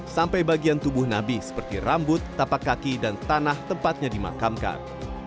sampai bagian tubuh nabi seperti rambut tapak kaki dan tanah tempatnya dimakamkan